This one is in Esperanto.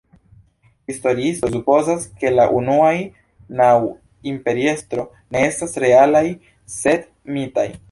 Historiistoj supozas, ke la unuaj naŭ imperiestroj ne estas realaj, sed mitaj.